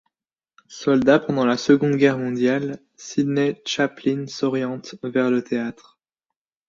Soldat pendant la Seconde Guerre mondiale, Sydney Chaplin s'oriente vers le théâtre.